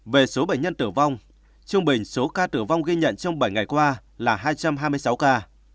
về số bệnh nhân tử vong trung bình số ca tử vong ghi nhận trong bảy ngày qua là hai trăm hai mươi sáu ca